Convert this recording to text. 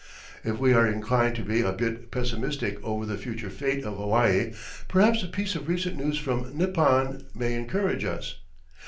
If we are inclined to be a bit pessimistic over the future fate of Hawaii, perhaps a piece of recent news from Nippon may encourage us.